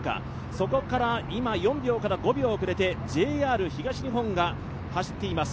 そこから今、４５秒遅れてＪＲ東日本が走っています。